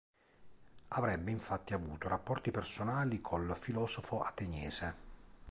Avrebbe infatti avuto rapporti personali col filosofo ateniese.